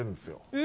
え！